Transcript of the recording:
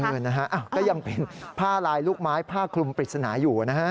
เออนะฮะก็ยังเป็นผ้าลายลูกไม้ผ้าคลุมปริศนาอยู่นะฮะ